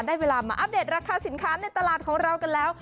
เวลามาอัปเดตราคาสินค้าในตลาดของเรากันแล้ว